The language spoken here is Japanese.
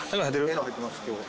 ええの入ってます今日。